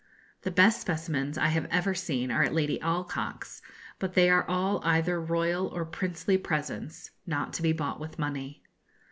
The best specimens I have ever seen are at Lady Alcock's; but they are all either royal or princely presents, not to be bought with money.